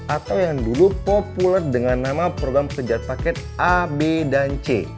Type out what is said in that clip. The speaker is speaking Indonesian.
atau yang dulu populer dengan nama program sejajar paket a b dan c